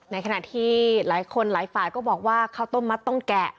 ในขณะที่หลายคนหลายฝ่ายก็บอกว่าข้าวต้มมัดต้องแกะ